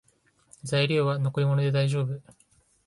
材料は残り物でだいじょうぶ